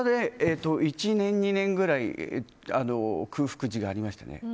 １年、２年ぐらい空白時がありましたね。